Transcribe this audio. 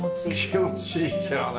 気持ちいいよね。